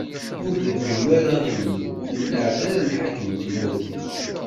Ur reggem ara Illu, ur neɛɛel ara lḥakem n tmurt-ik.